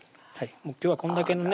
今日はこんだけのね